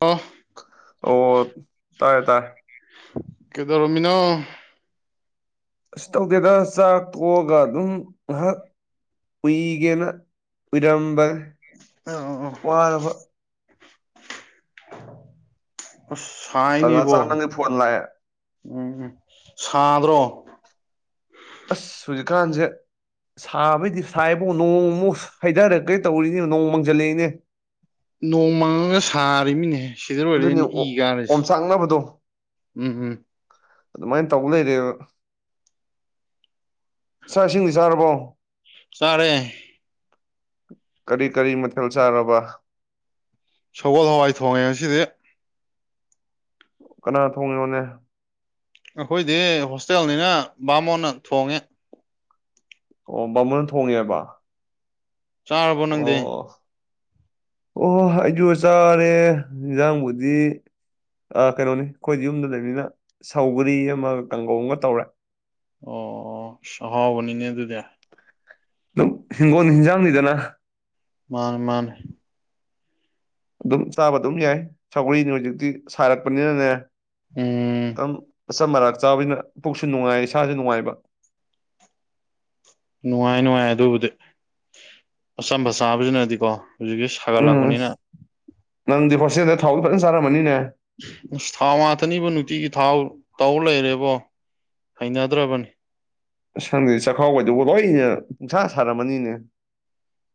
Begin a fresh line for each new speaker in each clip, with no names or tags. ꯑꯣ
ꯑꯣ ꯇꯥꯔꯦ ꯇꯥꯔꯦ
ꯀꯩꯗꯧꯔꯝꯃꯤꯅꯣ
ꯀꯩꯁꯨ ꯇꯧꯗꯦꯗ ꯆꯥꯛ ꯇꯣꯛꯑꯒ ꯑꯗꯨꯝ ꯉꯥꯏꯍꯥꯛ ꯎꯏꯒꯦꯅ ꯎꯏꯔꯝꯕ
ꯑꯣ ꯑꯣ
ꯋꯥꯔꯕ
ꯑꯁ
ꯇꯥꯟꯖꯥ ꯆꯥ
ꯁꯥꯏꯅꯦꯕꯣ
ꯅꯪꯒꯤ ꯐꯣꯟ ꯂꯥꯛꯑꯦ
ꯎꯝ ꯁꯥꯗ꯭ꯔꯣ
ꯑꯁ ꯍꯧꯖꯤꯛꯀꯥꯟꯁꯦ ꯁꯥꯕꯩꯗꯤ ꯁꯥꯏꯕꯨ ꯅꯣꯡꯃꯨꯛ ꯍꯩꯊꯔꯛꯒꯩ ꯇꯧꯔꯤꯅꯤ ꯅꯣꯡ ꯃꯪꯁꯤꯜꯂꯛꯏꯅꯦ
ꯅꯣꯡ ꯃꯪꯉꯒ ꯁꯥꯔꯤꯃꯤꯅꯦꯍꯦ ꯁꯤꯗ
ꯑꯗꯨꯅꯤ
ꯂꯣꯏꯔꯦꯅꯦ ꯏ ꯀꯥꯔꯤꯁꯦ
ꯑꯣꯝꯆꯥꯛꯅꯕꯗꯣ
ꯎꯝ ꯎꯝ
ꯑꯗꯨꯃꯥꯏꯅ ꯇꯧꯕ ꯂꯩꯔꯦꯕ ꯆꯥꯛ ꯏꯁꯤꯡꯗꯤ ꯆꯥꯔꯕꯣ
ꯆꯥꯔꯦ
ꯀꯔꯤ ꯀꯔꯤ ꯃꯊꯦꯜ ꯆꯥꯔꯕ
ꯁꯒꯣꯜ ꯍꯋꯥꯏ ꯊꯣꯡꯉꯦ ꯉꯁꯤꯗꯤ
ꯀꯅꯥ ꯊꯣꯡꯉꯤꯅꯣꯅꯦ
ꯑꯩꯈꯣꯏꯗꯤ ꯍꯣꯁꯇꯦꯜꯅꯤꯅ ꯕꯥꯃꯣꯟꯅ ꯊꯣꯡꯉꯦ
ꯑꯣ ꯕꯥꯃꯣꯟꯅ ꯊꯣꯡꯉꯦꯕ
ꯆꯥꯔꯕꯣ ꯅꯪꯗꯤ
ꯑꯣ ꯑꯣꯍꯣ ꯑꯩꯁꯨ ꯆꯥꯔꯦ ꯏꯟꯖꯥꯡꯕꯨꯗꯤ ꯑ ꯀꯩꯅꯣꯅꯤ ꯑꯩꯈꯣꯏꯗꯤ ꯌꯨꯝꯗ ꯂꯩꯕꯅꯤꯅ ꯁꯧꯒꯔꯤ ꯑꯃꯒ ꯀꯥꯡꯒꯧ ꯑꯃꯒ ꯇꯧꯔꯦ
ꯑꯣ ꯑꯍꯥꯎꯕꯅꯤꯅꯦ ꯑꯗꯨꯗꯤ
ꯍꯤꯡꯒꯣꯜ ꯍꯤꯟꯖꯥꯡꯅꯤꯗꯅ
ꯃꯥꯅꯦ ꯃꯥꯅꯦ
ꯑꯗꯨꯝ ꯆꯥꯕ ꯑꯗꯨꯝ ꯌꯥꯏ ꯁꯧꯒ꯭ꯔꯤꯅꯤ ꯍꯧꯖꯤꯛꯇꯤ ꯁꯥꯔꯛꯄꯅꯤꯅꯅꯦ
ꯎꯝ
ꯑꯗꯨꯝ ꯑꯆꯝ ꯃꯥꯔꯥꯛ ꯆꯥꯕꯅꯤꯅ ꯄꯨꯛꯁꯨ ꯅꯨꯡꯉꯥꯏ ꯏꯁꯥꯁꯨ ꯅꯨꯡꯉꯥꯏꯕ
ꯅꯨꯡꯉꯥꯏ ꯅꯨꯡꯉꯥꯏ ꯑꯗꯨꯕꯨꯗꯤ ꯑꯆꯝꯕ ꯁꯥꯥꯕꯁꯤꯅ ꯗꯤꯀꯣ ꯍꯧꯖꯤꯛꯇꯤ
ꯎꯝ
ꯁꯥꯒꯠꯂꯛꯄꯅꯤꯅ
ꯅꯪꯗꯤ ꯍꯣꯁꯇꯦꯟꯗ ꯊꯥꯎꯗꯤ ꯐꯖꯅ ꯆꯥꯔꯝꯃꯅꯤꯅꯦ
ꯑꯁ ꯊꯥꯎ ꯉꯥꯛꯇꯅꯤꯕꯣ ꯅꯨꯡꯇꯤꯒꯤ ꯊꯥꯎ ꯇꯧ ꯂꯩꯔꯦꯕꯣ ꯍꯩꯅꯗ꯭ꯔꯕꯅꯤ
ꯁꯪꯗꯦ ꯆꯥꯛꯈꯥꯎꯒꯗꯨꯕꯨ ꯂꯣꯏꯅ ꯄꯨꯡꯁꯥ ꯁꯥꯔꯝꯃꯅꯤꯅꯦ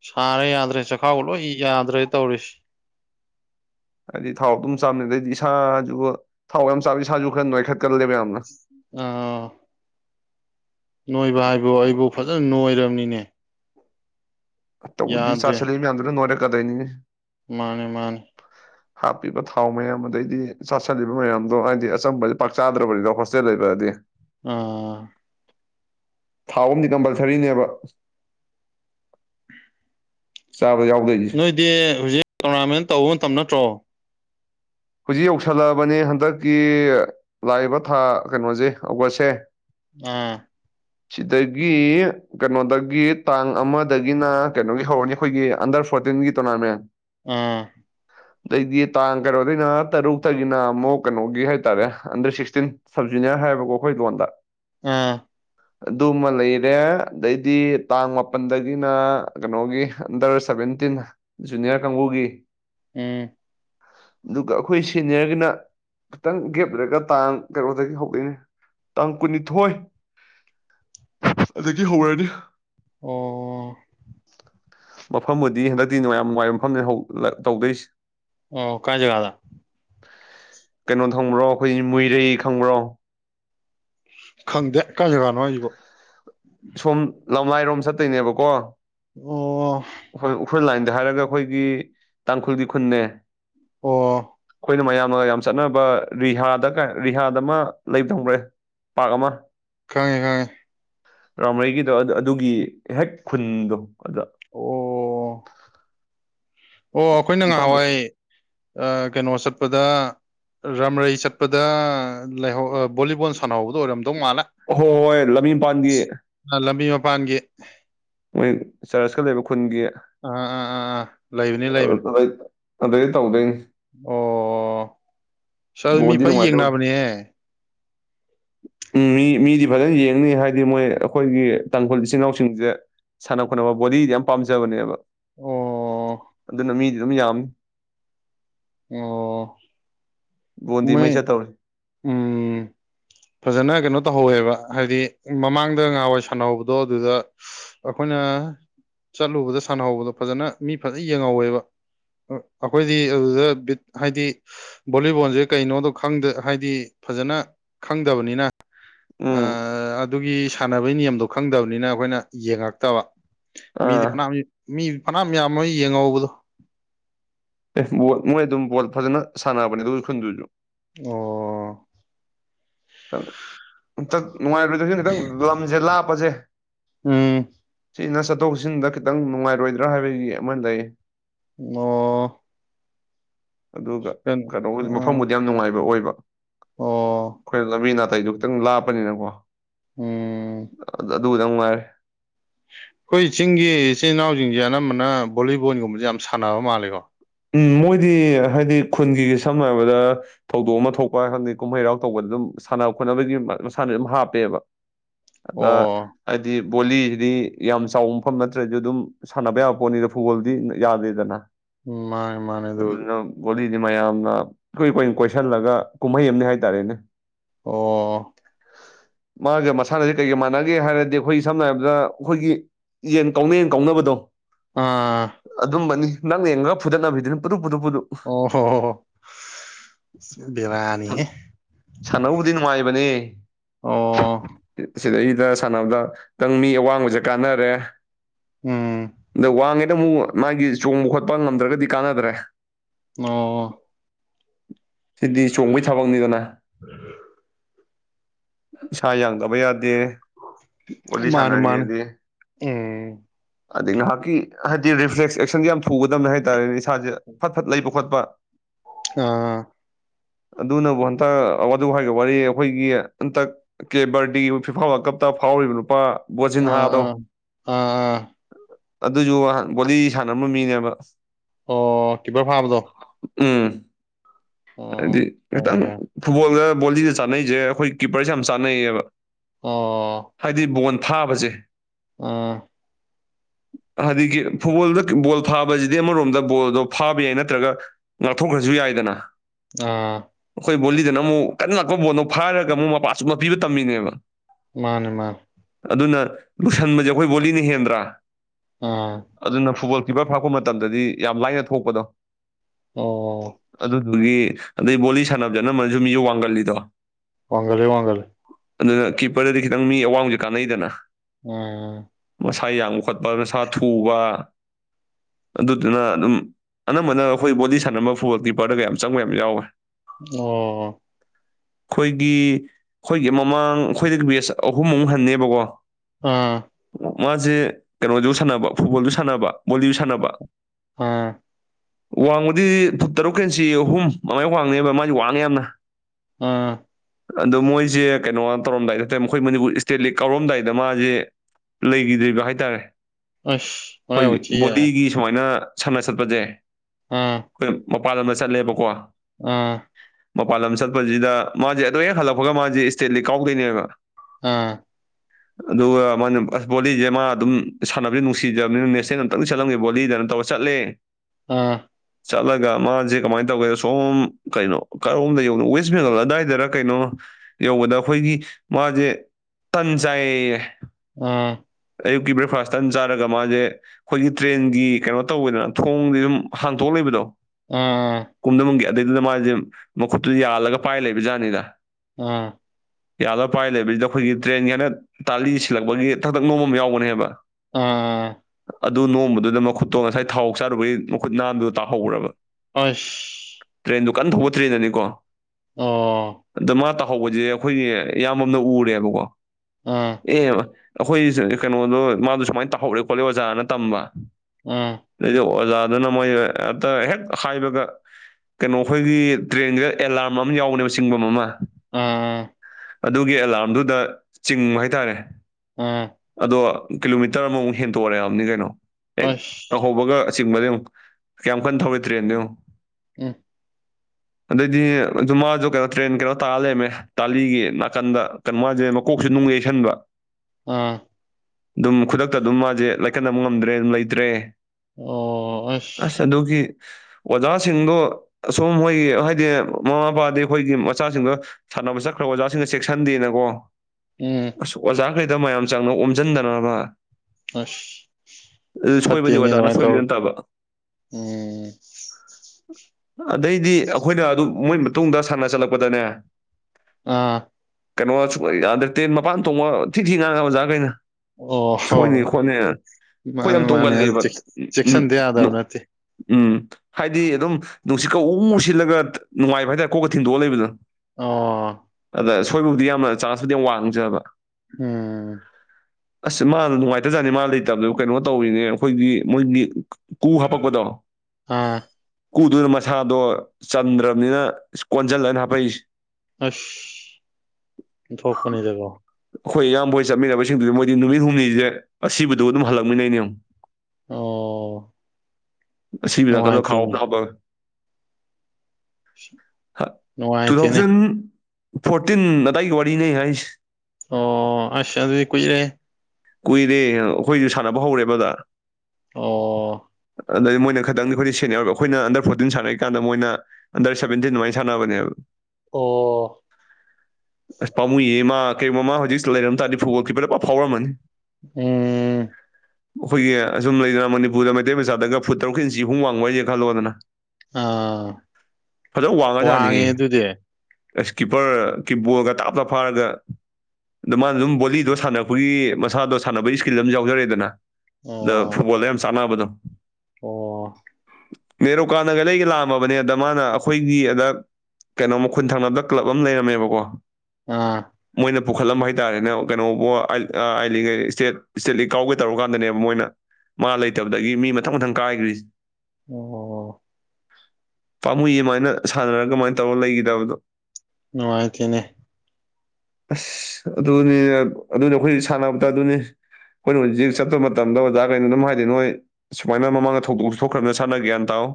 ꯁꯥꯔꯦ ꯌꯥꯗ꯭ꯔꯦ ꯆꯈꯥꯎꯒ ꯂꯣꯏ ꯌꯥꯗ꯭ꯔꯦ ꯇꯧꯔꯤꯁꯦ
ꯍꯥꯏꯗꯤ ꯊꯥꯎ ꯑꯗꯨꯝ ꯆꯥꯝꯃꯦ ꯑꯗꯩꯗꯤ ꯏꯁꯥꯁꯨꯕꯨ ꯊꯥꯎ ꯌꯥꯝ ꯆꯥꯕ ꯏꯁꯥꯁꯨ ꯈꯔ ꯅꯣꯏꯈꯠꯀꯜꯂꯦꯕ ꯌꯥꯝꯅ
ꯑꯥ ꯅꯣꯏꯕ ꯍꯥꯏꯕꯨ ꯑꯩꯕꯨ ꯐꯖꯅ ꯅꯣꯏꯔꯕꯅꯤꯅꯦ
ꯇꯧꯕꯨꯗꯤ
ꯌꯥꯗ꯭ꯔꯦ
ꯆꯥꯁꯜꯂꯤ ꯃꯌꯥꯝꯗꯨ ꯅꯣꯏꯔꯛ ꯀꯗꯣꯏꯅꯤꯅꯦ
ꯃꯥꯟꯅꯦ ꯃꯥꯟꯅꯦ
ꯍꯥꯞꯄꯤꯕ ꯊꯥꯎ ꯃꯌꯥꯝ ꯑꯗꯩꯗꯤ ꯆꯥꯥꯁꯜꯂꯤꯕ ꯃꯌꯥꯝꯗꯣ ꯍꯥꯏꯗꯤ ꯑꯆꯝꯕꯗꯤ ꯄꯥꯛ ꯆꯥꯗ꯭ꯔꯕꯅꯤꯗꯣ ꯍꯣꯁꯇꯦꯜ ꯂꯩꯕꯗꯤ
ꯑꯥ
ꯊꯥꯎ ꯑꯗꯤ ꯀꯝꯄꯜꯁꯔꯤꯅꯦꯕ ꯆꯥꯕ ꯌꯥꯎꯗꯣꯏꯅꯦ
ꯑꯗꯨꯗꯤ ꯍꯧꯖꯤꯛ ꯇꯣꯔꯅꯥꯃꯦꯟ ꯇꯧꯕ ꯃꯇꯝ ꯅꯠꯇ꯭ꯔꯣ
ꯍꯧꯖꯤꯛ ꯌꯧꯁꯜꯂꯛꯑꯕꯅꯦ ꯍꯟꯗꯛꯀꯤ ꯂꯥꯛꯏꯕ ꯊꯥ ꯀꯩꯅꯣꯁꯦ ꯑꯣꯒꯁꯁꯦ
ꯑꯥ
ꯁꯤꯗꯒꯤ ꯀꯩꯅꯣꯗꯒꯤ ꯇꯥꯡ ꯑꯃꯗꯒꯤꯅ ꯀꯩꯅꯣꯒꯤ ꯍꯧꯔꯅꯤ ꯑꯩꯈꯣꯏꯒꯤ ꯑꯟꯗ꯭ꯔ ꯐꯣꯔꯇꯤꯟꯒꯤ ꯇꯣꯔꯅꯥꯃꯦꯟ
ꯎꯝ
ꯑꯩꯗꯤ ꯇꯥꯡ ꯀꯩꯅꯣ ꯑꯩꯅ ꯇꯔꯨꯛꯇꯒꯤꯅ ꯑꯃꯨꯛ ꯀꯩꯅꯣꯒꯤ ꯍꯥꯏꯇꯥꯔꯦ ꯑꯟꯗꯔ ꯁꯤꯛꯁꯇꯤꯟ ꯁꯕꯖꯨꯅꯤꯌ꯭ꯔ ꯍꯥꯏꯕꯀꯣ ꯑꯩꯈꯣꯏ ꯂꯣꯟꯗ
ꯑꯥ
ꯑꯗꯨꯃ ꯂꯩꯔꯦ ꯑꯗꯩꯗꯤ ꯇꯥꯡ ꯃꯥꯄꯟꯗꯒꯤꯅ ꯀꯩꯅꯣꯒꯤ ꯑꯟꯗꯔ ꯁꯚꯦꯟꯇꯤꯟ ꯖꯨꯅꯤꯌ꯭ꯔ ꯀꯥꯡꯒꯨꯒꯤ
ꯎꯝ
ꯑꯗꯨꯒ ꯑꯩꯈꯣꯏ ꯁꯦꯅꯤꯌ꯭ꯔꯒꯤꯅ ꯈꯤꯇꯪ ꯒꯦꯞ ꯂꯩꯔꯒ ꯇꯥꯡ ꯀꯩꯅꯣꯗꯒꯤ ꯍꯧꯗꯣꯏꯅꯦ ꯇꯥꯡ ꯀꯨꯟꯅꯤꯊꯣꯏ ꯑꯗꯒꯤ ꯍꯧꯔꯅꯤ
ꯑꯣ
ꯃꯐꯝꯕꯨꯗꯤ ꯍꯟꯗꯛꯇꯤ ꯅꯨꯡ ꯌꯥꯝ ꯅꯨꯡꯉꯥꯏꯕ ꯃꯐꯝꯅꯤ ꯇꯧꯗꯣꯏꯁꯦ
ꯑꯣ ꯀꯥꯏ ꯖꯒꯥꯗ
ꯀꯩꯅꯣ ꯈꯪꯕ꯭ꯔꯣ ꯑꯩꯈꯣꯏꯒꯤ ꯃꯨꯏꯔꯩ ꯈꯪꯕ꯭ꯔꯣ
ꯈꯪꯗꯦ ꯀꯥꯏꯖꯒꯥꯅꯣ ꯍꯥꯏꯁꯤꯕꯨ
ꯁꯣꯝ ꯂꯝꯂꯥꯏꯔꯣꯝ ꯆꯠꯇꯣꯏꯅꯦꯕꯀꯣ
ꯑꯣ
ꯍꯣꯏ ꯎꯔꯈꯨꯜ ꯂꯥꯏꯟꯗ ꯍꯥꯏꯔꯒ ꯑꯩꯈꯣꯏꯒꯤ ꯇꯥꯡꯈꯨꯜꯒꯤ ꯈꯨꯟꯅꯦ
ꯑꯣ
ꯑꯩꯈꯣꯏꯅ ꯃꯌꯥꯝꯅꯒ ꯌꯥꯝ ꯆꯠꯅꯕ ꯔꯤꯍꯥꯗ ꯀꯥꯏ ꯔꯤꯍꯥꯗ ꯑꯃ ꯂꯩꯕꯗꯣ ꯈꯪꯕ꯭ꯔꯥ ꯍꯦ ꯄꯥꯛ ꯑꯃ
ꯈꯪꯉꯦ ꯈꯪꯉꯦ
ꯔꯥꯝꯔꯩꯒꯤꯗꯣ ꯑꯗꯨꯒꯤ ꯍꯦꯛ ꯈꯨꯟꯗꯣ ꯑꯗ
ꯑꯣ ꯑꯣ ꯑꯩꯈꯣꯏꯅ
ꯏꯝꯐꯥꯜ ꯋꯦꯁ
ꯉꯍꯥꯟꯋꯥꯏ ꯑꯥ ꯀꯩꯅꯣ ꯆꯠꯄꯗ ꯔꯥꯝꯔꯩ ꯆꯠꯄꯗ ꯂꯩꯍꯧ ꯕꯣꯂꯤꯕꯣꯜ ꯁꯥꯅꯍꯧꯕꯗꯣ ꯑꯣꯏꯔꯝꯗꯧ ꯃꯥꯜꯂꯦ
ꯍꯣ ꯍꯣ ꯂꯝꯕꯤ ꯃꯄꯥꯟꯒꯤ
ꯂꯝꯕꯤ ꯃꯄꯥꯟꯒꯤ
ꯃꯣꯏ ꯆꯔꯁꯀ ꯂꯩꯕ ꯈꯨꯟꯒꯤ
ꯑꯥ ꯑꯥ ꯑꯥ ꯑꯥ ꯂꯩꯕꯅꯤ ꯂꯩꯕꯅꯤ
ꯑꯗꯩꯗ ꯇꯧꯗꯣꯏꯅꯤ
ꯑꯣ ꯁꯤ ꯃꯤ
ꯕꯣꯟꯗꯤ
ꯐꯖꯅ
ꯅꯨꯡꯉꯥꯏꯗꯧꯔꯤ
ꯌꯦꯡꯅꯕꯅꯦ ꯍꯦ
ꯎꯝ ꯃꯤ ꯃꯤꯗꯤ ꯐꯖꯅ ꯌꯦꯡꯅꯤ ꯍꯥꯏꯗꯤ ꯃꯣꯏ ꯑꯩꯈꯣꯏꯒꯤ ꯇꯥꯡꯈꯨꯜ ꯏꯆꯤꯟ ꯏꯅꯥꯎꯁꯤꯡꯁꯦ ꯁꯥꯟꯅ ꯈꯣꯠꯅꯕ ꯕꯣꯂꯤꯗꯤ ꯌꯥꯝ ꯄꯥꯝꯖꯕꯅꯦꯕ
ꯑꯣ
ꯑꯗꯨꯅ ꯃꯤꯗꯤ ꯑꯗꯨꯝ ꯌꯥꯝ
ꯑꯣ
ꯕꯣꯟꯗꯤ
ꯃꯩ
ꯆꯠꯇꯧꯔꯤ
ꯎꯝ ꯐꯖꯅ ꯀꯩꯅꯣ ꯇꯧꯍꯧꯋꯦꯕ ꯍꯥꯏꯗꯤ ꯃꯃꯥꯡꯗ ꯉꯍꯥꯋꯥꯏ ꯁꯥꯟꯅꯍꯧꯕꯗꯣ ꯑꯗꯨꯗ ꯑꯩꯈꯣꯏꯅ ꯆꯠꯂꯨꯕꯗ ꯁꯥꯟꯅꯍꯧꯕꯗꯣ ꯐꯖꯅ ꯃꯤ ꯐꯖꯅ ꯌꯦꯡꯍꯧꯋꯦꯕ ꯑꯩꯈꯣꯏꯗꯤ ꯑꯗꯨꯗ ꯕꯤꯠ ꯍꯥꯏꯗꯤ ꯚꯣꯂꯤꯕꯣꯜꯁꯦ ꯀꯩꯅꯣꯗꯣ ꯈꯪꯗꯦ ꯍꯥꯏꯗꯤ ꯐꯖꯅ ꯈꯪꯗꯕꯅꯤꯅ
ꯎꯝ
ꯑꯥ ꯑꯗꯨꯒꯤ ꯁꯥꯟꯅꯕꯒꯤ ꯅꯤꯌꯝꯗꯣ ꯈꯪꯗꯕꯅꯤꯅ ꯑꯩꯈꯣꯏꯅ ꯌꯦꯡꯉꯛꯇꯕ ꯃꯤꯗꯤ
ꯑꯥ
ꯐꯅꯥꯝ ꯃꯤꯗꯤ ꯐꯅꯥꯌꯥꯝ ꯌꯥꯝꯃꯦ ꯌꯦꯡꯉꯧꯕꯗꯣ
ꯑꯦ ꯕꯣꯜ ꯃꯣꯏ ꯑꯗꯨꯝ ꯕꯣꯜ ꯐꯖꯅ ꯁꯥꯟꯅꯕꯅꯦ ꯑꯗꯨ ꯈꯨꯟꯗꯨꯁꯨ
ꯑꯣ
ꯈꯤꯇꯪ ꯑꯃꯇꯪ ꯅꯨꯡꯉꯥꯏꯕꯁꯦ ꯈꯤꯇꯪ ꯂꯝꯁꯦ ꯂꯥꯞꯄꯁꯦ
ꯎꯝ
ꯁꯤꯖꯤꯅ ꯆꯠꯊꯣꯛ ꯆꯠꯁꯤꯟꯗ ꯈꯤꯇꯪ ꯅꯨꯡꯉꯥꯏꯔꯣꯏꯗ꯭ꯔꯥ ꯍꯥꯏꯕꯒꯤ ꯑꯃ ꯂꯩ
ꯑꯣ
ꯑꯗꯨꯒ
ꯀꯩꯅꯣ ꯑ,
ꯀꯩꯅꯣꯕꯨꯗꯤ ꯃꯐꯝꯕꯨꯗꯤ ꯌꯥꯝ ꯅꯨꯡꯉꯥꯏꯕ ꯑꯣꯏꯕ
ꯑꯣ
ꯑꯩꯈꯣꯏ ꯂꯝꯕꯤ ꯅꯥꯇꯩꯗꯨ ꯈꯤꯇꯪ ꯂꯥꯞꯄꯅꯤꯅꯀꯣ ꯑ
ꯎꯝ
ꯑ ꯑꯗꯨꯗꯪ ꯅꯨꯡꯉꯥꯏꯔꯦ
ꯑꯩꯈꯣꯏ ꯆꯤꯡꯒꯤ ꯏꯆꯤꯟ ꯏꯅꯥꯎꯁꯤꯡꯁꯦ ꯑꯅꯝꯕꯅ ꯕꯣꯂꯤꯕꯣꯜꯒꯨꯝꯕꯖꯦ ꯌꯥꯝ ꯁꯥꯟꯅꯕ ꯃꯥꯜꯂꯦꯀꯣ
ꯎꯝ ꯃꯣꯏꯗꯤ ꯍꯥꯏꯗꯤ ꯈꯨꯟꯒꯤ ꯁꯝꯅ ꯍꯥꯏꯔꯕꯗ ꯊꯧꯗꯣꯛ ꯑꯃ ꯊꯣꯛꯄ ꯈꯪꯗꯦ ꯀꯨꯝꯍꯩ ꯍꯔꯥꯎ ꯇꯧꯕꯗ ꯑꯗꯨꯝ ꯁꯥꯟꯅ ꯈꯣꯠꯅꯕꯒꯤ ꯃ ꯃꯁꯥꯟꯅ ꯑꯗꯨꯝ ꯍꯥꯞꯄꯦꯕ
[inaudible]
ꯑꯗ ꯍꯥꯏꯗꯤ ꯕꯣꯂꯤꯖꯤꯗꯤ ꯌꯥꯝ ꯆꯥꯎꯕ ꯃꯐꯝ ꯅꯠꯇ꯭ꯔꯖꯨ ꯑꯗꯨꯝ ꯁꯥꯟꯅꯕ ꯌꯥꯕ ꯄꯣꯠꯅꯤꯅ ꯐꯨꯠꯕꯣꯜꯗꯤ ꯌꯥꯗꯦꯗꯅ
ꯎꯝ ꯃꯥꯅꯦ ꯃꯥꯅꯦ ꯑꯗꯨꯕꯨꯗꯤ
ꯑꯗꯨꯅ ꯕꯣꯂꯤꯗꯤ ꯃꯌꯥꯝꯅ ꯏꯀꯨꯏ ꯀꯨꯏꯅ ꯀꯣꯏꯁꯜꯂꯒ ꯀꯨꯝꯍꯩ ꯑꯃꯅꯤ ꯍꯥꯏꯇꯥꯔꯦꯅꯦ
ꯑꯣ
ꯃꯥꯒ ꯃꯁꯥꯟꯅꯁꯦ ꯀꯩꯒ ꯃꯥꯟꯅꯒꯦ ꯍꯥꯏꯔꯗꯤ ꯑꯩꯈꯣꯏ ꯁꯝꯅ ꯍꯥꯏꯔꯕꯗ ꯑꯩꯈꯣꯏꯒꯤ ꯌꯦꯟ ꯀꯧꯅꯌꯦꯟ ꯀꯥꯎꯅꯕꯗꯣ
ꯑꯥ
ꯑꯗꯨꯝꯕꯅꯤ ꯅꯪꯅ ꯌꯦꯡꯉꯒ ꯐꯨꯗꯠꯅꯕꯤꯗꯨꯅꯤ ꯄꯨꯗꯨꯞ ꯄꯨꯗꯨꯞ ꯄꯨꯗꯨꯞ
ꯑꯣ ꯍꯣ ꯍꯣ ꯍꯣ ꯕꯦꯔꯥꯅꯤꯍꯦ
ꯑꯅꯧꯕꯗꯤ ꯅꯨꯉꯥꯏꯕꯅꯦ
ꯑꯣ
ꯁꯤ ꯁꯤꯗꯩꯗ ꯁꯥꯟꯅꯕꯗ ꯇꯪ ꯃꯤ ꯑꯋꯥꯡꯕꯁꯦ ꯀꯥꯟꯅꯔꯦ
ꯎꯝ
ꯑꯗ ꯋꯥꯡꯉꯦꯗ ꯑꯃꯨꯛ ꯃꯥꯒꯤ ꯆꯣꯡꯕ ꯈꯣꯠꯄ ꯉꯝꯗ꯭ꯔꯒꯗꯤ ꯀꯥꯟꯅꯗ꯭ꯔꯦ
ꯑꯣ
ꯁꯤꯗꯤ ꯆꯣꯡꯕꯩ ꯊꯕꯛꯅꯤꯗꯅ
[unintelligible]
ꯏꯁꯥ ꯌꯥꯡꯗꯕ ꯌꯥꯗꯦ ꯕꯣꯂꯤ
ꯃꯥꯅꯦ ꯃꯥꯅꯦ
ꯁꯥꯟꯅꯒꯦꯗꯤ
ꯎꯝ
ꯑꯗꯩ ꯉꯥꯏꯍꯥꯛꯀꯤ ꯍꯥꯏꯗꯤ ꯔꯤꯐ꯭ꯂꯦꯛꯁ ꯑꯦꯛꯁꯟꯖꯦ ꯌꯥꯝ ꯊꯨꯒꯗꯕꯅꯦ ꯍꯥꯏ ꯇꯔꯦꯅꯦ ꯏꯁꯥꯁꯦ ꯐꯠ ꯐꯠ ꯂꯩꯕ ꯈꯣꯠꯄ
ꯑꯥ
ꯑꯗꯨꯅꯕꯨ ꯍꯟꯇꯛ ꯑ ꯋꯥꯗꯨ ꯍꯥꯏꯒ ꯋꯥꯔꯤ ꯑꯩꯈꯣꯏꯒꯤ ꯍꯟꯇꯛ ꯀꯦꯕꯔꯗꯤ ꯐꯤꯐꯥ ꯋꯥꯔꯜ ꯀꯞꯇ ꯐꯥꯎꯔꯤꯕ ꯅꯨꯄꯥ ꯕꯣꯠꯖꯤꯟ ꯍꯥꯗꯣ
ꯑꯥ ꯑꯥ ꯑꯥ
ꯑꯗꯨꯁꯨ ꯍꯥꯟ ꯕꯣꯂꯤ ꯁꯥꯟꯅꯔꯝꯕ ꯃꯤꯅꯦꯕ
ꯑꯣ ꯀꯤꯄꯔ ꯐꯥꯕꯗꯣ
ꯎꯝ ꯍꯥꯏꯗꯤ
ꯑꯣ ꯈꯪꯉꯦ
ꯈꯤꯇꯪ
ꯈꯪꯉꯦ
ꯐꯨꯠꯕꯣꯜꯒ ꯕꯣꯂꯤꯒ ꯆꯥꯅꯩꯖꯦ ꯑꯈꯣꯏ ꯀꯤꯞꯄꯔꯖꯦ ꯌꯥꯝ ꯆꯥꯅꯩꯌꯦꯕ
ꯑꯣ
ꯍꯥꯏꯗꯤ ꯕꯣꯟ ꯐꯥꯕꯖꯦ
ꯑꯥ
ꯍꯥꯏꯗꯒꯤ ꯐꯨꯠꯕꯣꯜꯗ ꯕꯣꯜ ꯐꯥꯕꯖꯤꯗꯤ ꯑꯃꯔꯣꯝꯗ ꯕꯣꯜꯗꯣ ꯐꯥꯕ ꯌꯥꯏ ꯅꯠꯇ꯭ꯔꯒ ꯉꯥꯛꯊꯣꯛꯈ꯭ꯔꯁꯨ ꯌꯥꯏꯗꯅ
ꯑꯥ
ꯑꯈꯣꯏ ꯕꯣꯂꯤꯗꯅ ꯑꯃꯨꯛ ꯀꯟꯅ ꯂꯥꯛꯄ ꯕꯣꯜꯗꯣ ꯐꯥꯔꯒ ꯑꯃꯨꯛ ꯃꯄꯥ ꯆꯨꯝꯅ ꯄꯤꯕ ꯇꯝꯃꯤꯅꯦꯕ
ꯃꯥꯅꯦ ꯃꯥꯅꯦ
ꯑꯗꯨꯅ ꯂꯨꯁꯟꯕꯖꯦ ꯑꯈꯣꯏ ꯕꯣꯂꯤꯅ ꯍꯦꯟꯗ꯭ꯔꯥ
ꯑꯦ
ꯑꯗꯨꯅ ꯐꯨꯠꯕꯣꯜ ꯀꯤꯞꯄꯔ ꯐꯥꯔꯛꯄ ꯃꯇꯝꯗꯗꯤ ꯌꯥꯝ ꯂꯥꯏꯅ ꯊꯣꯛꯄꯗꯣ
ꯑꯣ
ꯑꯗꯨꯗꯨꯒꯤ ꯑꯗꯩ ꯕꯣꯂꯤ ꯁꯥꯟꯅꯕꯖꯦ ꯑꯅꯝꯕꯅꯖꯨ ꯃꯤꯖꯤ ꯋꯥꯡꯒꯜꯂꯤꯗꯣ
ꯋꯥꯡꯒꯜꯂꯦ ꯋꯥꯡꯒꯜꯂꯦ
ꯑꯗꯨꯅ ꯀꯤꯄꯔꯗꯗꯤ ꯈꯤꯇꯪ ꯃꯤ ꯑꯋꯥꯡꯕꯖꯦ ꯀꯥꯟꯅꯩꯗꯅ
ꯎꯝ
ꯃꯁꯥ ꯌꯥꯡꯕ ꯈꯣꯠꯄ ꯃꯁꯥ ꯊꯨꯕ ꯑꯗꯨꯗꯨꯅ ꯑꯗꯨꯝ ꯑꯅꯝꯕꯅ ꯑꯈꯣꯏ ꯕꯣꯂꯤ ꯁꯥꯟꯅꯔꯝꯕ ꯐꯨꯠꯕꯣꯜ ꯀꯤꯞꯄꯔꯗꯒ ꯌꯥꯝ ꯆꯪꯕ ꯌꯥꯝ ꯌꯥꯎꯋꯦ
ꯑꯣ
ꯈꯣꯏꯒꯤ ꯈꯣꯏꯒꯤ ꯃꯃꯥꯡ ꯈꯣꯏꯗꯒꯤ ꯕꯦꯁ ꯑꯍꯨꯝꯃꯨꯛ ꯍꯟꯅꯦꯕꯀꯣ
ꯑꯥ
ꯃꯥꯖꯦ ꯀꯩꯅꯣꯁꯨ ꯁꯟꯅꯕ ꯐꯨꯠꯕꯣꯜꯁꯨ ꯁꯟꯅꯕ ꯚꯣꯂꯤꯁꯨ ꯁꯟꯅꯕ
ꯑꯥ
ꯋꯥꯡꯕꯗꯤ ꯐꯨꯠ ꯇꯔꯨꯛ ꯏꯟꯆꯤ ꯑꯍꯨꯝ ꯑꯃꯥꯏ ꯋꯥꯡꯅꯦꯕ ꯃꯥꯗꯤ ꯋꯥꯡꯉꯦ ꯌꯥꯝꯅ
ꯑꯥ
ꯑꯗꯣ ꯃꯣꯏꯖꯦ ꯀꯩꯅꯣ ꯇꯧꯔꯝꯗꯥꯏꯗ ꯇꯦꯝ ꯈꯣꯏ ꯃꯅꯤꯄꯨꯔ ꯏꯁꯇꯦꯠ ꯂꯤꯠ ꯀꯥꯎꯔꯝꯗꯥꯏꯗ ꯃꯥꯖꯦ ꯂꯩꯈꯤꯗ꯭ꯔꯤꯕ ꯍꯥꯏꯇꯥꯔꯦ
ꯑꯁ
ꯈꯣꯏꯒꯤ
ꯃꯔꯥꯏꯕꯛ ꯊꯤꯍꯦ ꯑꯥ
ꯕꯣꯂꯤꯒꯤ ꯁꯨꯃꯥꯏꯅ ꯁꯥꯟꯅ ꯆꯠꯄꯖꯦ
ꯑꯥ
ꯈꯣꯏ ꯃ ꯄꯥꯥꯟꯂꯝꯗ ꯆꯠꯂꯦꯕꯀꯣ
ꯑꯥ
ꯃꯄꯥꯟ ꯂꯝ ꯆꯠꯄꯖꯤꯗ ꯃꯥꯖꯦ ꯑꯗꯨ ꯍꯦꯛ ꯍꯜꯂꯛꯄꯒ ꯃꯥꯖꯦ ꯏꯁꯇꯦꯠ ꯂꯤꯛ ꯀꯥꯎꯗꯣꯏꯅꯦꯕ
ꯑꯥ
ꯑꯗꯨꯒ ꯃꯥꯅ ꯑꯁ ꯕꯣꯂꯤꯖꯦ ꯃꯥ ꯑꯗꯨꯝ ꯁꯥꯟꯅꯕꯖꯦ ꯅꯨꯡꯁꯤꯖꯝꯅꯤꯅ ꯅꯦꯁꯅꯦꯜ ꯑꯝꯇꯪꯗꯤ ꯆꯠꯂꯝꯒꯦ ꯕꯣꯂꯤꯗꯅ ꯇꯧꯔ ꯆꯠꯂꯦ
ꯑꯥ
ꯆꯠꯂꯒ ꯃꯥꯖꯦ ꯀꯃꯥꯏ ꯇꯧꯒꯦꯗ ꯁꯣꯝ ꯀꯩꯅꯣ ꯀꯔꯣꯝꯗꯩꯅꯣ ꯋꯦꯁ ꯕꯦꯡꯒꯜ ꯑꯗꯥꯏꯗꯔ ꯀꯩꯅꯣ ꯌꯧꯕꯗ ꯑꯈꯣꯏꯒꯤ ꯃꯥꯖꯦ ꯇꯟ ꯆꯥꯏꯌꯦꯌꯦ
ꯎꯝ
ꯑꯌꯨꯛꯀꯤ ꯕ꯭ꯔꯦꯛꯐꯥꯁ ꯇꯟ ꯆꯥꯔꯒ ꯃꯥꯖꯦ ꯈꯣꯏꯒꯤ ꯇ꯭ꯔꯦꯟꯒꯤ ꯀꯩꯅꯣ ꯇꯧꯋꯤꯗꯅ ꯊꯣꯡꯗꯤ ꯗꯨꯝ ꯍꯥꯡꯇꯣꯛ ꯂꯩꯕꯗꯣ
ꯑꯥ
ꯀꯨꯝꯗꯕꯝꯒꯤ ꯑꯗꯩꯗꯨꯗ ꯃꯥꯖꯤꯝ ꯃꯈꯨꯠꯇꯨ ꯌꯥꯜꯂꯒ ꯄꯥꯏ ꯂꯩꯕꯖꯥꯠꯅꯤꯗ
ꯎꯝ
ꯌꯥꯜꯂ ꯄꯥꯏ ꯂꯩꯕꯁꯤꯗ ꯑꯩꯈꯣꯏꯒꯤ ꯇ꯭ꯔꯦꯟꯒꯤ ꯍꯥꯏꯅ ꯇꯥꯂꯤ ꯁꯤꯜꯂꯛꯄꯒꯤ ꯊꯛꯊꯛ ꯅꯣꯝꯕ ꯑꯃ ꯌꯥꯎꯕꯅꯦꯕ
ꯑꯥ
ꯑꯗꯨ ꯅꯣꯝꯕꯗꯨꯗ ꯃꯈꯨꯠꯇꯣ ꯉꯁꯥꯏ ꯊꯥꯎ ꯆꯥꯔꯨꯕꯒꯤ ꯃꯈꯨꯠ ꯅꯥꯟꯕꯗꯨꯗ ꯇꯥꯍꯧꯔꯕ
ꯑꯁ
ꯇ꯭ꯔꯦꯟꯗꯨ ꯀꯟ ꯊꯧꯒꯠꯇ꯭ꯔꯤꯗꯅꯤꯀꯣ
ꯑꯣ
ꯑꯗꯨ ꯃꯥ ꯇꯥꯍꯧꯕꯖꯦ ꯑꯩꯈꯣꯏꯒꯤ ꯏꯌꯥꯝꯕ ꯑꯝꯅ ꯎꯔꯦꯕꯀꯣ
ꯑꯥ
ꯑꯦ ꯑꯩꯈꯣꯏ ꯀꯩꯅꯣꯗꯣ ꯃꯥꯗꯣ ꯁꯨꯃꯥꯏ ꯇꯧꯍꯧꯔꯦ ꯈꯣꯠꯂꯦ ꯑꯣꯖꯥꯅ ꯇꯝꯕ
ꯎꯝ
ꯗꯩꯗ ꯑꯣꯖꯥꯗꯨꯅ ꯃꯣꯏ ꯑꯠꯇ ꯍꯦꯛ ꯍꯥꯏꯕꯒ ꯀꯩꯅꯣ ꯑꯩꯈꯣꯏꯒꯤ ꯇ꯭ꯔꯦꯟꯁꯦ ꯑꯦꯂꯥꯔꯝ ꯑꯃ ꯌꯥꯎꯕꯅꯦꯕ ꯆꯤꯡꯕꯝ ꯑꯃ ꯑꯗꯨꯒꯤ ꯑꯦꯂꯥꯔꯝꯗꯨꯗ ꯆꯤꯡꯕ ꯍꯥꯏꯇꯥꯔꯦ
ꯎꯝ
ꯑꯗꯣ ꯀꯤꯂꯣꯃꯤꯇꯔ ꯑꯃꯃꯨꯛ ꯍꯦꯟꯇꯣꯔꯛ ꯑꯕꯅꯤ ꯀꯩꯅꯣ ꯍꯦꯛ ꯍꯧꯕꯒ ꯆꯤꯡꯕꯅꯤ ꯌꯦꯡꯉꯨ ꯀꯌꯥꯝ ꯀꯟ ꯊꯧꯋꯤ ꯇ꯭ꯔꯦꯟꯗꯨ ꯌꯦꯡꯉꯨ
ꯎꯝ
ꯑꯗꯩꯗꯤ ꯑꯗꯨ ꯃꯥꯁꯨ ꯀꯩꯅꯣ ꯇ꯭ꯔꯦꯟ ꯀꯩꯅꯣ ꯇꯥ ꯂꯩꯔꯝꯃꯦ ꯇꯥꯂꯤꯒꯤ ꯅꯥꯀꯟꯗ ꯀꯩꯅꯣ ꯃꯥꯁꯦ ꯃꯀꯣꯛꯁꯦ ꯅꯨꯡ ꯌꯩꯁꯟꯕ
ꯑꯥ
ꯑꯗꯨꯝ ꯈꯨꯗꯛꯇ ꯑꯗꯨꯝ ꯃꯥꯖꯦ ꯂꯥꯏꯈꯠꯅꯕ ꯉꯝꯗ꯭ꯔꯦ ꯑꯗꯨꯝ ꯂꯩꯇ꯭ꯔꯦ ꯑꯁ ꯑꯗꯨꯒꯤ ꯑꯣꯖꯥꯁꯤꯡꯗꯣ ꯁꯨꯝ ꯃꯣꯏꯒꯤ ꯍꯥꯏꯗꯤ ꯃꯃꯥ ꯃꯄꯥꯗꯤ ꯑꯩꯈꯣꯏꯒꯤ ꯃꯆꯥꯁꯤꯡꯗꯣ ꯁꯥꯟꯅꯕ ꯆꯠꯈ꯭ꯔ ꯑꯣꯖꯥꯁꯤꯡꯁꯦ ꯆꯦꯛꯁꯤꯟꯗꯦꯅꯀꯣ
ꯎꯝ
ꯑꯁ ꯑꯣꯖꯥꯈꯩꯗ ꯃꯌꯥꯝ ꯆꯪꯅ ꯑꯣꯝꯁꯤꯟꯗꯅꯕ ꯑꯗꯨ ꯁꯣꯏꯕꯗꯤ ꯑꯣꯖꯥꯅ ꯁꯣꯏꯕꯗꯤ ꯅꯠꯇꯕ ꯑꯗꯩꯗꯤ ꯑꯩꯈꯣꯏꯅ ꯑꯗꯨ ꯃꯣꯏ ꯃꯇꯨꯡꯗ ꯁꯥꯟꯅ ꯆꯠꯂꯛꯄꯗꯅꯦ
ꯑꯥ
ꯀꯩꯅꯣ ꯁꯨ ꯌꯥꯗ꯭ꯔꯦ ꯇꯔꯦꯟ ꯃꯄꯥꯟ ꯇꯣꯡꯕ ꯊꯤ ꯊꯤ ꯉꯥꯡꯉꯦ ꯑꯣꯖꯥꯈꯩꯅ ꯁꯣꯏꯅꯤ ꯈꯣꯠꯅꯨꯅ ꯑꯩꯈꯣꯏ ꯌꯥꯝ ꯇꯣꯡꯒꯜꯂꯦꯕ ꯎꯝ ꯎꯝ ꯍꯥꯏꯗꯤ ꯑꯗꯨꯝ ꯅꯨꯡꯁꯤꯠꯀ ꯎ ꯁꯤꯠꯂꯒ ꯅꯨꯡꯉꯥꯏꯕ ꯍꯥꯏꯇꯥꯔꯦ ꯀꯣꯛꯀ ꯊꯤꯟꯗꯣꯛꯑ ꯂꯩꯕꯗꯣ
ꯑꯣ
ꯑꯗ ꯁꯣꯏꯕꯕꯨꯗꯤ ꯏꯌꯥꯝꯅ ꯆꯥꯟꯁ ꯄꯨꯗꯤ ꯌꯥꯝ ꯋꯥꯡꯖꯕ
ꯎꯝ
ꯑꯁ ꯃꯥꯅ ꯅꯨꯡꯉꯥꯏꯇꯖꯥꯠꯅꯤ ꯃꯥ ꯂꯩꯇꯕꯗꯨ ꯀꯩꯅꯣ ꯇꯧꯔꯤꯅꯦ ꯑꯩꯈꯣꯏꯗꯤ ꯃꯣꯏ ꯃꯤ ꯀꯨ ꯍꯥꯞꯄꯛꯕꯗꯣ
ꯑꯥ
ꯀꯨꯗꯨꯅ ꯃꯁꯥꯗꯣ ꯆꯟꯗ꯭ꯔꯕꯅꯤꯅ ꯀꯣꯟꯁꯤꯜꯂꯅ ꯍꯥꯞꯄꯛꯏꯁꯦ
ꯑꯁ ꯑꯣꯟ ꯊꯣꯛꯄꯅꯤꯗꯀꯣ
ꯑꯩꯈꯣꯏ ꯏꯌꯥꯝꯕꯣꯏ ꯆꯠꯃꯤꯟꯅꯕꯁꯤꯡꯗꯨꯗꯤ ꯃꯣꯏꯗꯤ ꯅꯨꯃꯤꯠ ꯍꯨꯝꯅꯤꯁꯦ ꯑꯁꯤꯕꯗꯨꯒ ꯑꯗꯨꯝ ꯍꯜꯂꯛꯃꯤꯟꯅꯩꯅꯦ ꯌꯦꯡꯉꯨ
ꯑꯣ
ꯑꯁꯤꯕ ꯅꯥꯀꯟꯗ ꯈꯥꯎ ꯑꯃꯗ ꯍꯥꯞꯄꯛꯑꯒ ꯑ ꯇꯨ ꯊꯥꯎꯖꯟ ꯐꯣꯔꯇꯤꯟ ꯑꯗꯥꯏꯒꯤ ꯋꯥꯔꯤꯅꯦ ꯑꯩꯅ ꯍꯥꯏꯔꯤꯁꯦ
ꯑꯣ ꯑꯁ ꯑꯗꯨꯗꯤ ꯀꯨꯏꯔꯦꯍꯦ
ꯀꯨꯏꯔꯦ ꯑꯩꯈꯣꯏꯁꯨ ꯁꯥꯟꯅꯕ ꯍꯧꯔꯦꯕ ꯑꯗ
ꯑꯣ
ꯑꯗꯩ ꯃꯣꯏꯅ ꯈꯇꯪꯗꯤ ꯑꯩꯈꯣꯏꯅ ꯁꯦꯅꯤꯌꯔ ꯑꯣꯏꯕ ꯑꯩꯈꯣꯏꯅ ꯑꯟꯗꯔ ꯐꯣꯔꯇꯤꯟ ꯁꯥꯟꯅꯩꯀꯥꯟꯗ ꯃꯣꯏꯅ ꯑꯟꯗꯔ ꯁꯕꯦꯟꯇꯤꯟ ꯑꯗꯨꯃꯥꯏꯅ ꯁꯥꯟꯅꯕꯅꯦꯕ
ꯑꯣ
ꯑꯁ ꯄꯥꯃꯨꯌꯦ ꯃꯥ ꯀꯩꯒꯨꯝꯕ ꯃꯥ ꯍꯧꯖꯤꯛ ꯂꯩꯔꯝ ꯇꯥꯔꯗꯤ ꯐꯨꯕꯣꯜ ꯀꯤꯄꯔꯗ ꯄ ꯐꯥꯎꯔꯝꯃꯅꯤ
ꯎꯝ
ꯑꯩꯈꯣꯏꯒꯤ ꯑꯁꯨꯝ ꯂꯩꯗꯅ ꯃꯅꯤꯄꯨꯔꯗ ꯃꯩꯇꯩ ꯃꯆꯥꯗꯒ ꯐꯨꯠ ꯇꯔꯨꯛ ꯏꯟꯆꯤ ꯑꯍꯨꯝ ꯋꯥꯡꯕ ꯍꯥꯏꯁꯦ ꯈꯜꯂꯣꯗꯅ
ꯑꯥ
ꯐꯖꯟ ꯋꯥꯡꯒ꯭ꯔꯖꯥꯅꯤꯍꯦ
ꯋꯥꯡꯉꯦ ꯑꯗꯨꯗꯤ
ꯑꯁ ꯀꯤꯞꯄꯔ ꯀꯤꯞ ꯕꯣꯜꯒ ꯇꯥꯞ ꯇꯥꯞ ꯐꯥꯔꯒ ꯑꯗ ꯃꯥꯅ ꯑꯗꯨꯝ ꯕꯣꯂꯤꯗꯣ ꯁꯥꯟꯅꯔꯄꯒꯤ ꯃꯁꯥꯗꯣ ꯁꯥꯟꯅꯕꯒꯤ ꯏꯁꯀꯤꯜ ꯑꯝ ꯌꯥꯎꯖꯔꯦꯗꯅ
ꯎꯝ
ꯗ ꯐꯨꯠꯕꯣꯜꯗ ꯌꯥꯝ ꯆꯥꯟꯅꯕꯗꯣ
ꯑꯣ
ꯅꯦꯔꯣꯀꯥꯟꯅꯒ ꯂꯩꯒꯦ ꯂꯥꯛꯑꯝꯃꯕꯅꯦ ꯑꯗ ꯃꯥꯅ ꯑꯩꯈꯣꯏꯒꯤ ꯑꯗꯛ ꯀꯩꯅꯣꯝꯃ ꯈꯨꯟ ꯊꯪꯅꯕꯗ ꯀ꯭ꯂꯕ ꯑꯃ ꯂꯩꯔꯝꯃꯦꯕꯀꯣ
ꯑꯥ
ꯃꯣꯏꯅ ꯄꯨꯈꯠꯂꯝꯕ ꯍꯥꯏꯇꯥꯔꯦꯅꯦ ꯀꯩꯅꯣꯕꯨ ꯑ ꯑꯥꯏꯂꯤꯛ ꯏꯁꯇꯦꯠ ꯏꯁꯇꯦꯠ ꯂꯤꯛ ꯀꯥꯎꯒꯦ ꯇꯧꯔ ꯀꯥꯟꯗꯅꯦꯕ ꯃꯣꯏꯅ ꯃꯥ ꯂꯩꯇꯕꯗꯒꯤ ꯃꯤ ꯃꯊꯪ ꯃꯊꯪ ꯀꯥꯏꯈ꯭ꯔꯤꯁꯦ
ꯑꯣ
ꯄꯥꯝꯃꯨꯏꯌꯦ ꯃꯥꯏꯅ ꯁꯥꯟꯅꯔꯒ ꯃꯥꯏꯅ ꯇꯧꯔꯒ ꯂꯩꯒꯤꯗꯕꯗꯣ
ꯅꯨꯡꯉꯥꯏꯇꯦꯅꯦ
ꯑꯁ ꯑꯗꯨꯅꯤ ꯑꯗꯨꯅꯤ ꯑꯩꯈꯣꯏ ꯁꯥꯟꯅꯕꯗ ꯑꯗꯨꯅꯤ ꯑꯩꯈꯣꯏꯅ ꯍꯧꯖꯤꯛ ꯆꯠꯄ ꯃꯇꯝꯗ ꯑꯣꯖꯥꯈꯩꯅ ꯑꯗꯨꯝ ꯍꯥꯏꯗꯤ ꯅꯣꯏ ꯁꯨꯃꯥꯏꯅ ꯃꯃꯥꯡꯗ ꯊꯧꯗꯣꯛꯁꯨ ꯊꯣꯛꯈ꯭ꯔꯅꯤꯅ ꯅꯁꯥꯅ ꯒ꯭ꯌꯥꯟ ꯇꯥꯎ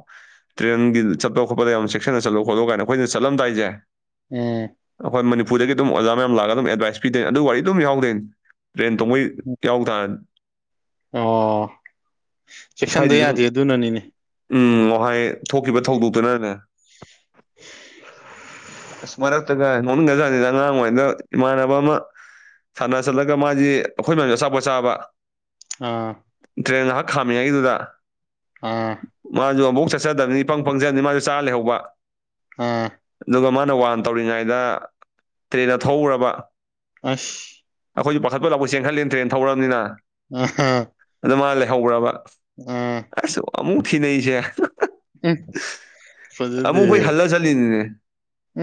ꯇ꯭ꯔꯦꯟꯒꯤ ꯆꯠꯄ ꯈꯣꯠꯄꯗ ꯌꯥꯝ ꯆꯦꯛꯁꯤꯟꯅ ꯆꯠꯂꯣ ꯈꯣꯠꯂꯣ ꯀꯥꯏꯅ ꯑꯩꯈꯣꯏꯅ ꯆꯠꯂꯝꯗꯥꯏꯁꯦ
ꯎꯝ
ꯑꯩꯈꯣꯏ ꯃꯅꯤꯄꯨꯔꯗꯒꯤ ꯑꯗꯨꯝ ꯑꯣꯖꯥ ꯃꯌꯥꯝ ꯂꯥꯛꯒ ꯑꯗꯨꯝ ꯑꯦꯠꯚꯥꯏꯁ ꯄꯤꯗꯣꯏꯅꯤ ꯑꯗꯨ ꯋꯥꯔꯤ ꯑꯗꯨꯝ ꯌꯥꯎꯗꯣꯏꯅꯤ ꯇ꯭ꯔꯦꯟ ꯇꯣꯡꯕꯩ ꯌꯥꯎ ꯇꯥꯔꯅꯤ
ꯑꯣ ꯆꯦꯛꯁꯟꯗ
ꯍꯥꯏꯗꯤ ꯑꯗꯨꯝ
ꯌꯥꯗꯦ ꯑꯗꯨꯅꯅꯤꯅꯦ
ꯎꯝ ꯉꯍ꯭ꯋꯥꯏ ꯊꯣꯛꯈꯤꯕ ꯊꯧꯗꯣꯛꯇꯨꯅꯅꯦ ꯑꯁ ꯃꯔꯛꯇꯒ ꯅꯣꯛꯅꯤꯡꯒ ꯖꯥꯠꯅꯤꯅ ꯑꯉꯥꯡ ꯑꯣꯏꯔꯤꯗ ꯏꯃꯥꯟꯅꯕ ꯑꯃ ꯁꯥꯟꯅ ꯆꯠꯂꯒ ꯒ ꯃꯥꯗꯤ ꯑꯩꯈꯣꯏ ꯃꯌꯥꯝꯁꯦ ꯑꯆꯥꯄꯣꯠ ꯆꯥꯕ
ꯑꯥ
ꯇ꯭ꯔꯦꯟ ꯉꯍꯥꯛ ꯈꯥꯝꯃꯤꯉꯩꯒꯤꯗꯨꯗ
ꯑꯥ
ꯃꯥꯁꯨ ꯑꯝꯕꯨꯛ ꯆꯠꯆꯗꯕꯅꯤ ꯏꯄꯪ ꯄꯪꯖꯝꯅꯤꯅ ꯃꯥꯁꯨ ꯆꯥ ꯂꯩꯍꯧꯕ
ꯑꯥ
ꯑꯗꯨꯒ ꯃꯥꯅ ꯋꯥꯟ ꯇꯧꯔꯤꯉꯩꯗ ꯇ꯭ꯔꯦꯟꯗꯣ ꯊꯧꯒ꯭ꯔꯕ
ꯑꯁ
ꯑꯩꯈꯣꯏꯁꯨ ꯄꯥꯈꯠꯄꯣꯏ ꯂꯥꯛꯄꯣꯏ ꯆꯦꯟꯈꯠꯂꯤꯅ ꯇ꯭ꯔꯦꯟ ꯊꯧꯔꯝꯅꯤꯅ
ꯑꯥ ꯍꯥ
ꯑꯗꯨ ꯃꯥ ꯂꯩꯍꯧꯔꯕ
ꯎꯝ
ꯑꯁ ꯑꯃꯨꯛ ꯊꯤꯅꯩꯁꯦ
ꯎꯝ
ꯑꯃꯨꯛ ꯑꯈꯣꯏ
ꯐꯖꯗꯦꯍꯦ
ꯍꯜꯂ ꯆꯠꯂꯤꯅꯤꯅꯦ
ꯎꯝ